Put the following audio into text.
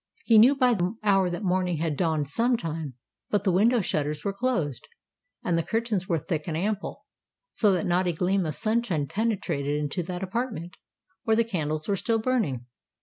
He knew by the hour that morning had dawned some time; but the window shutters were closed, and the curtains were thick and ample, so that not a gleam of sunshine penetrated into that apartment, where the candles were still burning.